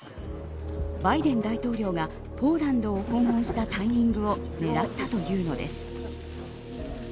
バイデン大統領がポーランドを訪問したタイミングを狙ったというのです。